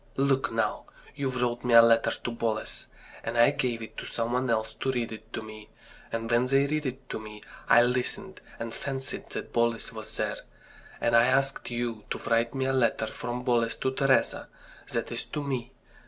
"Look, now! you wrote me a letter to Boles, and I gave it to some one else to read it to me; and when they read it to me I listened and fancied that Boles was there. And I asked you to write me a letter from Boles to Teresa that is to me.